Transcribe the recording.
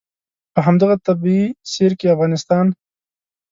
په همدغه طبعي سیر کې افغانستان.